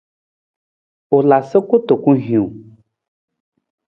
U la sa kutukun hiwung.